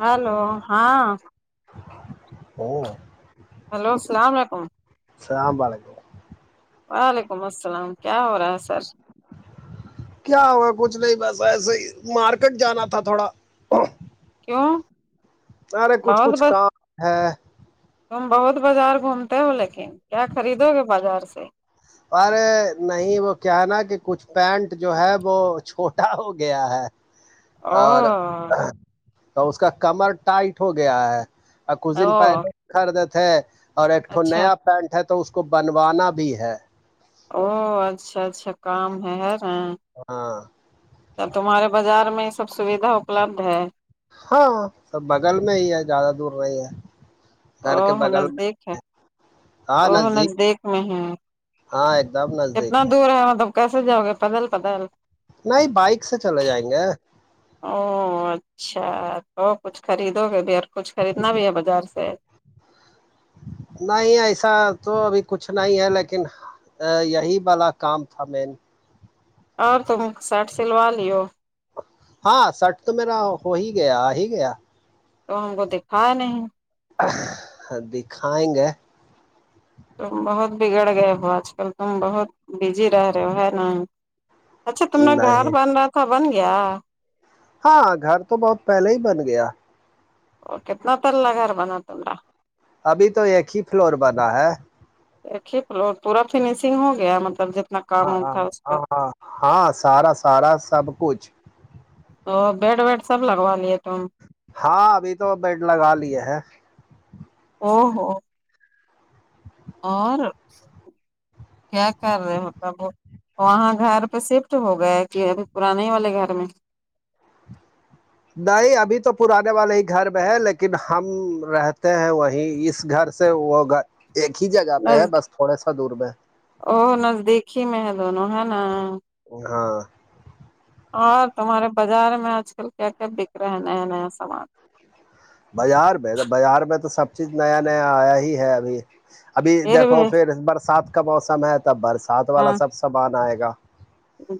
Hello ہاں ا hello السلام علیکم س ب لک وعلیکم السلام کیا ہو رہا ہے سر کیا ہوا کچھ نہیں بس ایسے ہی مارکیٹ جانا تھا تھوڑا کیوں ارے کچھ بہت کچھ ب کام ہے تم بہت بازار گھومتے ہو لیکن کیا خریدو گے بازار سے ارے نہیں وہ کیا ہے نا کہ کچھ پینٹ جو ہے وہ چھوٹا ہو گیا ہے او اور تو اس کا کمر ٹائٹ ہو گیا ہے اور کچھ دن او پہلے خریدتےے اور ایکٹھ اچھا نیا پینٹ ہے تو اس کو بنوانا بھی ہے او اچھا اچھا کام ہے ہےا ہاں اب تمہارے بازار میں یہ سب سویدھا اپلبدھ ہے ہاں سب بغل میں ہی ہے زیادہ دور نہیں ہے گھر کے او بغل میں نزدیک ہے ا نزدیک میں ہے ہاں ایک دم نزدیک کتنا دور ہے مطلب کیسے جؤ گے پتال پتا ہے نہیں بائک سے چلے جائیں گے او اچھا تو کچھ خریدو گے بھی اور کچھ خریدنا بھی ہے بازار سے نہیں ایسا تو ابھی کچھ نہیں ہے لیکن ا یہی والا کام تھا مین اور تم سرٹ سلوا لیو ہاں سٹ تو میرا ہو ہی گیا آ ہی گیا تو ہم کو دکھایا نہیں دکھائیں گے تم بہت بگڑ گئے ہو آج کل تم بہت بزی رہ رہے ہو ہے ن اچھا تم نے گھر نہیں بن رہا تھا بن گیا ہاں گھر تو بہت پہلے ہی بن گیا وہ کتنا پلہ گھر بنا تما ابھی تو ایک ہی فلور بنا ہے ایکے پورا فنیشنگ ہو گیا مطلب ج ہاں ہاں ہ ہاں ہاں سارا سارا سب کچھ تو بیڈ ویڈ سب لگوا لیے ت ہم ہاں ابھی تو بیڈ لگا لے ہے او ہو اور کیا کر رہے مطلب وہاں گھر پہ شفٹ ہو گیا کہ اب پرانے ہی والے گھر میں نہیں ابھی تو پرانے والے ہی گھر میں ہے لیکن ہم رہتے ہیں وہیں اس گھر سے وہ ایک ہی جگہ پہ ہے نزد بس تھوڑے سا دور میں او نزدیک ہی میں ہے دونوں ہے نا ہاں اور تمہارے بازار میں آج کل کیا کیا بک رہے ہیں نیا نیا سامان بازار میں تو بازار میں تو سب چیز نیا نیا آیا ہی ہے ابھی ابھی دیکھو پھر برسات کا موسم ہے تب برسات والا ہاں سب سامان آئے گا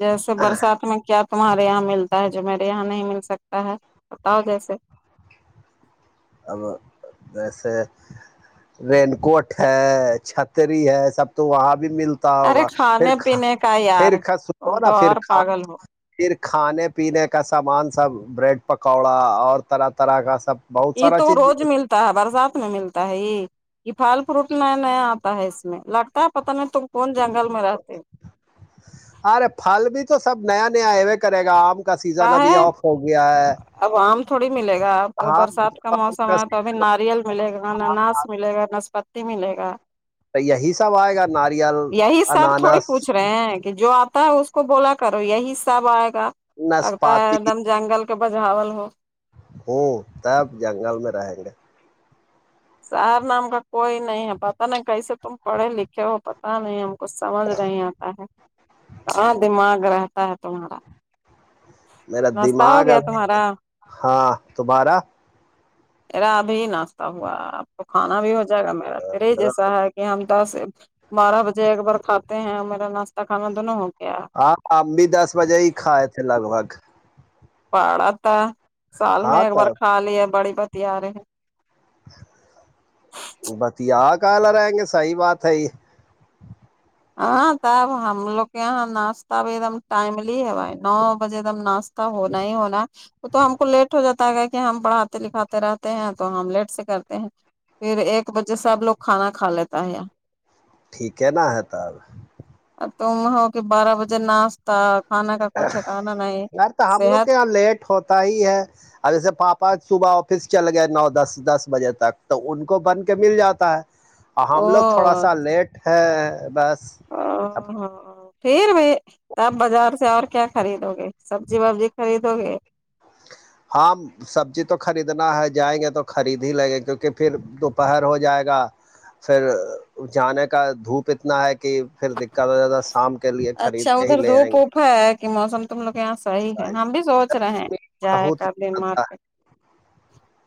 جیسے برسات میں کیا تمہارے یہاں ملتا ہے جو میرے یہاں نہیں مل سکتا ہے بتاؤ جیسے ہم جیسے رین کوٹ ہے چھتری ہے سب تو وہاں بھی ملتا ارے ہوگا پھر کھانے کھ پینے کا پھر یار ک سو تم نا تو پھر اور کھا پاگل ہو پھر کھانے پینے کا سامان سب بریڈ پکوڑا اور طرح طرح کا سب بہت یہ سارا تو چیز روز ملتا ہے برسات میں ملتا ہے یہ یہ پھل فروٹ نیا نیا آتا ہے اس میں لگتا ہے پت نہیں تم کون جنگل میں رہتے ارے پھل بھی تو سب نیا نیا ایوے کرے گا آم کو کا ہے اب آم تھوڑی ملے گا اب تو ہاں برسات کا آم موسم آئے تو اب ا ناریل ملے گا ن نس ملے گا ناسپتی ملے گا یہی سب آئے گا ناریل یہی سب تھوڑی انانس پوچھ رہے ہیں کہ جو آتا ہے اس کو بولا کرو یہی سب آئے گا لگتا ہے نسپاتی ایک دم جنگل کے بجھال ہو ہوں تب جنگل میں رہیں گے سار نام کا کوئی نہیں ہے پتا نہیں کیسے تم پڑھے لکھے ہو پتا نہیں ہم کچھ سمجھ نہیں آتا ہے اور دماغ رہتا ہے تمہارا میرا ناشتہ دماغ ہو گیا ابھی تمہارا ہاں تمہارا میرا ابھی ناشتہ ہوا اب تو کھانا بھی ہو جائے گا میرا ترے ہی جیسا ہے کہ ہم توس بارہ بجے ایک بار کھاتے ہیں میرا ناشتہ کھانا دونوں ہو گیا ہے ہاں ش بھی دس بجے ہی کھائے تھے لگ بھگ پاڑا تھا سال میں ہاں ایک بار تب کھا لی ہے بڑی پتی آر ہے بتیا کہالر آئیں گے صحیح بات ہے یہ ہاں تب ہم لوگ کے یہاں ناشتہ بھی ایک دم ٹائملی ہے بھ نو بجے نا ہونا ہی ہونا وہ تو ہم کو لیٹ ہو جاتا ہے گا کہ ہم پڑھاتے لکھاتے رہتے ہیں تو ہم لیٹ سے کرتے ہیں پھر ایک بجے سے اب لوگ کھانا کھا لیتا ہے ٹھیک ہےنا ہےتا آب ا تم ہو کے بارہ بجے ناش کھانا کا کوئی ٹھکانا نہیں یار تو ہم لوگ صحت کے یہاں لیٹ ہوتا ہی ہے ا جیسے پاپا صبح آفس چل گئے نو دس دس بجے تک تو ان کو بن کے مل جاتا ہے اور او ہم لوگ تھوڑا سا لیٹ ہے بس اب پھر بھی تب بازار سے اور کیا خریدو گے سبزی وبزی خریدو گے ہاں [unintelligible] سبزی تو خریدنا ہے جائیں گے تو خرید ہی لگے کیونکہ پھر دوپہر ہو جائے گا پھر جانے کا دھوپ اتنا ہے کہ پھر دقت ہو جدہ سام اچھا ادھر دھوپ اوپ ہے کہ موسم تم لوگ یہاں صحیح ہے گے ہم بھی سوچ رہے ہیں جائے بہت کبل زیادہ مارک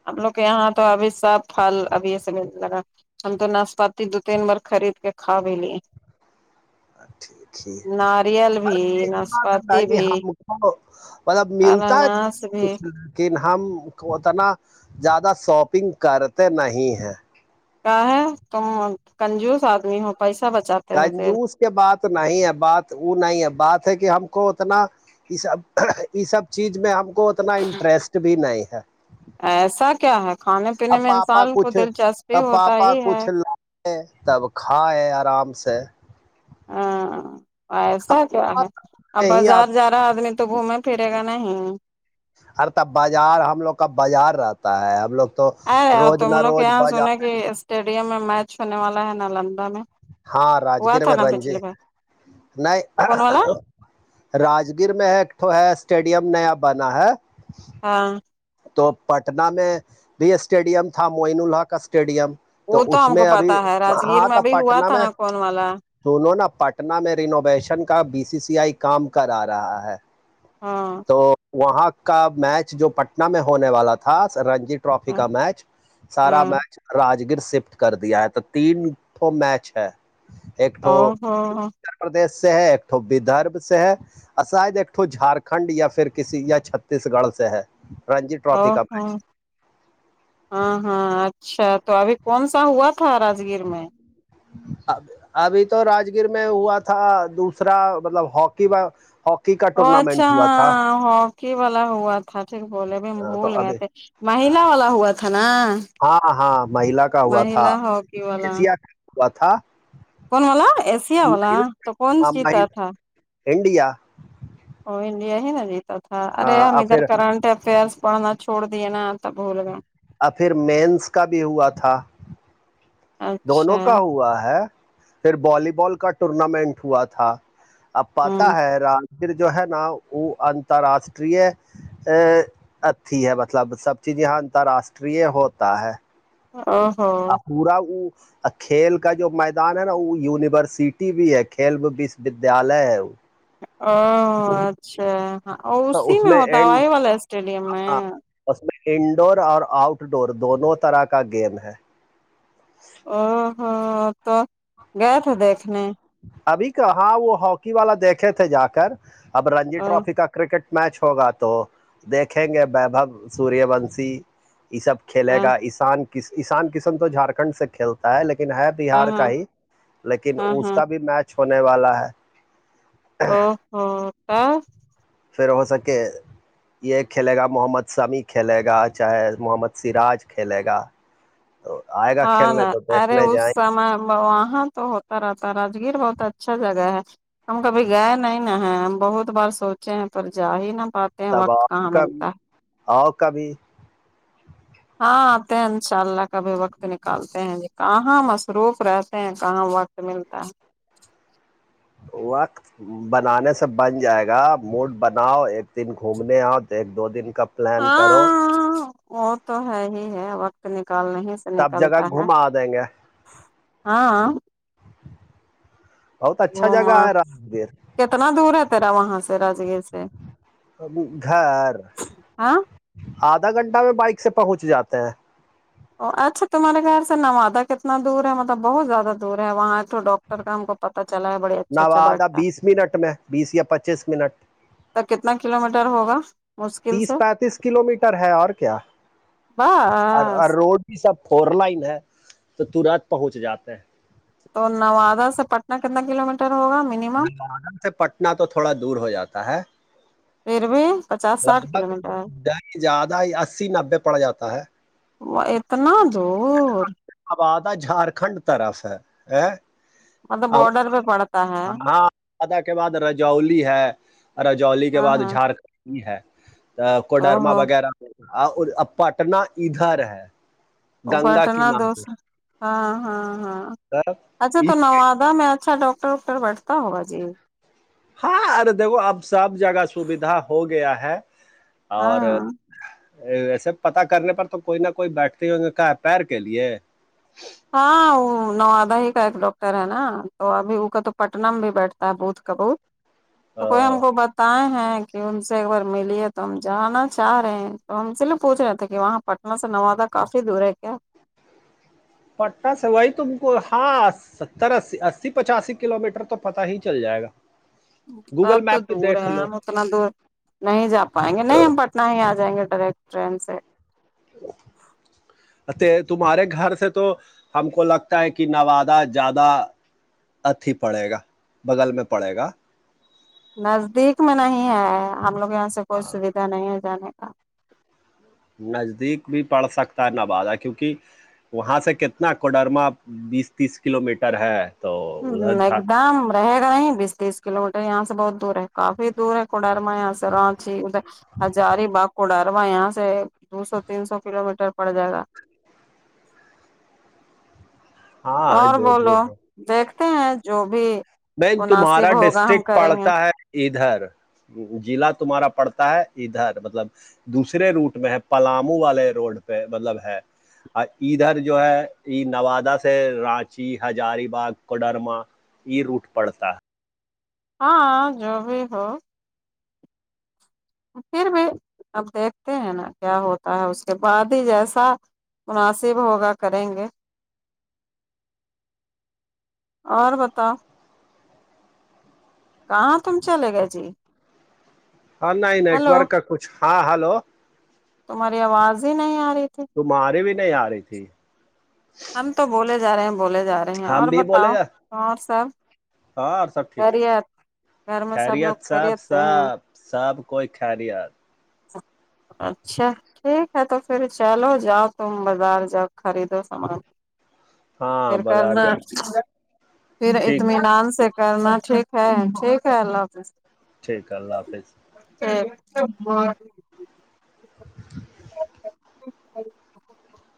ہم لوگ کے یہاں تو ابھی سب پھل ابھی یہ سب ملنے لگا ہم تو ناسپاتی دو تین بار خرید کے کھا بھی لیے ٹھیک ہی ناریل بھی بات ناسپتی ہے کہ بھی ہم کو ال ج بھی یکن ہم اتنا زیادہ شاپنگ کرتے نہیں ہیں کا ہے تم کنجوس آدمی ہو پیسہ بچات کنجوس کے بات نہیں ہے بات وہ نہیں ہے بات ہے کہ ہم کو اتنا یہ سب یہ سب چیز میں ہم کو اتنا انٹرسٹ بھی نہیں ہے ایسا کیا ہے کھانے پینے اب میں پاپا انسان کو کچھ دلچسپی اب ہوتا پاپا ہی ہے کچھ تب کھائےائے آرام سے ہاں ایسا کیا ہے ا بازار جا رہا ا آدمی تو گھومے پرے گا نہیں ار ت بازار ہم لوگ کا بازار رہتا ہے ہم لوگ تو ا اور روز تم نہ لوگ روز یہاں بازار سنے کہ اسٹیڈیم میں میچ ہونے والا ہے نالندہ میں ہاں ہوا راجگیر تھا میں نا رنجی پچھلی بار نہیں کون والا راجگیر میں ایکٹ ہے اسٹیڈیم نیا بنا ہے ہاں تو پٹنہ میں بھی اسٹیڈیم تھا معین اللہ کا اسٹیڈیم تو وہ اس ہم میں کو ابھی پتا ہے راجگیر ہاں میں تھا بھی ہوا پٹنہ تھا میں نا کون والا سونوںنا اب پٹنہ میں رینوویشن کا بی س س آئی کام کرا رہا ہے ہاں تو وہاں کا میچ جو پٹنہ میں ہونے والا تھا تھا رنجیت ٹرافی ہاں کا میچ سارا ہاں میچ راجگیر سفٹ کر دیا ہے تو تین ٹو میچ ہے ایک او توٹو ہو اتر پردش سے ہے ایکٹو ودرب سے ہے آشاد ایکٹو جھارکھنڈ یا پھر کسی یا چھتیس گڑھ سے ہے رنجی ا ٹرافی کا ہاں ہاں ہاں اچھا تو ابھی کون سا ہوا تھا راگیر میں ہاں ب ابھی تو راگیر میں ہوا تھا دوسرا مطلب ہاکی ہی ا اچھا ہاں ہاکی والا ہوا ٹیک بولےب ہم بھول تو گئے ابھی تھے مہلا والا ہوا تھا نا ہاں ہاں مہیلا کا ہوا تھا مہلا ہاکی والا ایشیا کا ہوا تھا کون والا ایشیا والا مہیلا، تو کون ہاں، سیتا مہیلا تھا انڈیا وہ انڈیا ہی نا جیتا تھا ارے ہاں ہم اور ادھر پھر کرنٹ افئرس پڑھنا چھوڑ دیے نا تب بھول گئے اور پھر مینس کا بھی ہوا تھا دونوں اچھا کا ہوا ہے پھر بی بال کا ٹورنامنٹ ہوا تھا اب پا ہوں ہے راجگر جو ہے نا وہ اترراشٹریہ اچھی ہے مطلب سب چیز یہاں انترراشٹریہ ہوتا ہے ا ہ پورا وہ اور کھیل کا جو میدان ہے نا وہ یونیورسٹی بھی ہے کھیل وشو ودیالیہ ہے وہ او اچھا تو اسی اس میں ہوتا اینڈ وہی والا اسٹیڈیم میں ہاں اس میں انڈور اور آؤٹ ڈور دونوں طرح کا گیم ہے او ہو تو گئے تھے دیکھنے ابھی کہاں وہ ہاکی والا دیکھے تھے جا کر اب رنجی او ٹرافی کا کرکٹ میچ ہوگا تو دیکھیں گے وبھو سوریہ بنشی یہ سب کھیلے ہاں گا ایسان کس ایسان کسن تو جھارکھنڈ سے کھیل ہے لیکن ہے ہاں بہار کا ہاں ہی لیکن ہاں اس ہاں کا بھی میچ ہونے والا ہے ا ہ کیا پھر ہو سکے یہ کھیلے گا محمد سمیع کھیلے گا چاہے محمد سراج کھیلے گا تو آئے گا ہاں ن کھیلنے تو ارے دیکھنے اس جائیں س ب وہاں تو ہو طاتا راجگیر بہت اچھا جگہ ہے ہم کبھی گئے نہیں ن ہے ہم بہت بار سوچے ہیں پر جا ہی نہ پاتے ہیں تب آؤ وقت کہاں کا ملتا بھی آؤ کا بھی ہاں آتے ہیں ان شاء اللہ کبھی وقت نکالتے ہیں ج کہاں مشروف رہتے ہیں کہاں وقت ملتا ہے وقت بنانے سے بن جائے گا موڈ بناؤ ایک دن گھومنے آؤ ایک دو دن کا پلان کرو ہاں وہ تو ہے ہی ہے وقت نکال نہیں سے سب جگہ نکلتا ہے گھما دیں گے ہاں بہت اچھا گھوما جگہ ہے راجگیر کتنا دور ہے تیرا وہاں سے راجگیر سے گھر ہاں آدھا گھنٹہ میں بائک سے پہنچ جاتا ہے ا اچھا تمہارے گر سے نوادہ کتنا دور ہے مطلب بہت زیادہ دور ہے وہاں ھ ڈاکٹر کا ہم کو پتا چلا ہے بڑے اچھا اچھا نوادہ بیھتا ہے بیس منٹ میں بیس یا پچیس منٹ تو کتنا کلو میٹر ہوگا مشکل سے تیس پینتیس کلو میٹر ہے اور کیا اور بس روڈ یہ سب فور لائن ہے تو تورت پہنچ جاتے ہیں تو نوادہ سے پٹنہ کتنا کلو میٹر ہوگا منیمم سے پٹن تو تھوڑا دور ہو جاتا ہے پھر بھی پچاس لگ ساٹھ کلو بھگ میٹر د زیادہ ہی اسی نبے پڑ جاتا ہے وہ اتنا دور آبادہ جھارکھنڈ طرف ہے م تو بڈر پڑے ہاںاںاد کے بعد رجولی ہے رجولی کے ہاں بعد ہاں جھارکھنڈ ہے تو او کوڈرما ہو وغیرہ پٹنا ادھر ہے ا گنگا پٹنا دو کنارے ہاں ہاں ہاں پر۔ اچھا تو اس نو میں اچھا ڈاکر ووکٹر بیٹتا ہوا جی ہاں ارے دیکھو اب سب جگہ سوھا ہو گیا ہے اور ہاں ویسے پتا کرنے پر تو کوئی نہ کوئی بیٹھتے ہوں گے کہ پیر کے لیے ہاں وہ نوادہ ہی کا ایک ڈاکٹر ہے نا تو ابھی وہ کا تو پٹنم میں بھی بیٹھتا ہے بھ کابوت تو کوئی آ، ہم کو بات ہیں کہ ان سے ایک بار ملی ہے تو ہم جانا چاہ رہے ہیں تو ہم س پوچھ رہے تھے کہ وہاں پٹن سے نو تھا کافی دور ہے کیا پٹا سے وہی تم کو ہاس ستر اسی اسی پچاسی کلو میٹر تو پتتا ہی چل جائے گا سب گوگل تو میپ پہ دور دیکھ ہے لو ہم اتنا دور نہیں جا پائیں گے نہیں ہم ہی آ جائیں گے ڈائریکٹ ٹرین سے ہاں تمہارے گھر سے تو ہم کو لگتا ہے کہ نوادہ زیاادہ اھی پڑے گا بغل میں پڑے گا نزدیک میں نہیں ہے ہم لوگ یہاں سے کوئی ہاں سویدھا نہیں ہے جانے کا نزدیک بھی پڑھ سکتا ہے نبازا کیونکہ وہاں سے کتنا کوڈرما بیس تیس کلو میٹر ہے تو ادھر ایک جھا دم رہے گا نہیں بیس تیس کلو میٹر یہاں سے بہت دور ہے کافی دور ہے کڈارا یہاں س رانچی ادھر ہجاری باغ کوڈار یہاں سے دو سو تین سو کلو میٹر پڑ جائے گا ہاں اور جو بھی بولو ہے دیکھتے ہیں جو بھی بن تمہارا مناسب ہوگا ہم ڈسٹرک کریں گے پڑتا ہے ادھر ضلع تمہارا پڑتا ہے ادھر مطلب دوسرے روٹ میں ہے پلامو والے روڈ پہ مطلب ہے اور ادھر جو ہے نوادہ سے رانچی ہجاری باغ کوڈرما یہ روٹ پڑتا ہے ہاں جو بھی ہو پھر بھی اب دیکھتے ہیں نا کیا ہوتا ہے اس کے بعد ہی جیسا مناسب ہوگا کریں گے اور بتاؤ کہاں تم لگا جی ہاں نہیں ہلو نیٹورک کا کچھ ہاں ہلو تمہاری آواز ہی نہیں آ رہی تھی ماری بھی نہیں آ رہی تھی ہم تو بولے جا رہے ہیں بولے جا رہے ہیں اور ہم بھی بتاؤ بولے گا اور سب ہاں اور سب ٹھیک خیریت گھر میں لوگ خیریت سب خیریت سے ہیں سب سب کوئی خلیاد س اچھا ٹھیک ہے تو پھر چلو جاؤ تم بازار جاؤ خریدو سامان ہاں پھر بازار کرنا جانا پھر ٹھیک اطمینان سے کرنا ٹھیک ہے ٹھیک ہے اللہ حافظ ٹھیک ہے اللہ حافظ [inaudible] [inaudible]